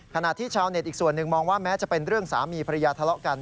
ขณะที่ชาวเน็ตอีกส่วนหนึ่งมองว่าแม้จะเป็นเรื่องสามีภรรยาทะเลาะกัน